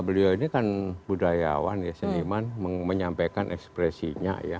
beliau ini kan budayawan ya seniman menyampaikan ekspresinya ya